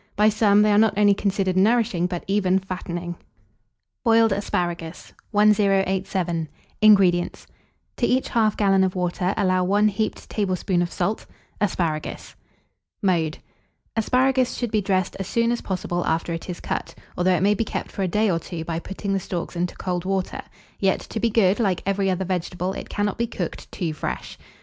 By some, they are not only considered nourishing, but even fattening. BOILED ASPARAGUS. 1087. INGREDIENTS. To each 1/2 gallon of water allow 1 heaped tablespoonful of salt; asparagus. [Illustration: ASPARAGUS ON TOAST. ASPARAGUS TONGS.] Mode. Asparagus should be dressed as soon as possible after it is cut, although it may be kept for a day or two by putting the stalks into cold water; yet, to be good, like every other vegetable, it cannot be cooked too fresh.